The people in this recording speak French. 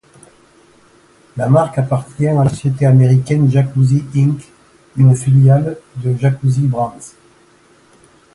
La marque appartient à la société américaine Jacuzzi Inc, une filiale de Jacuzzi Brands.